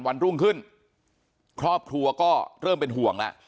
วันรุ่งขึ้นครอบครัวก็เริ่มเป็นห่วงแล้ว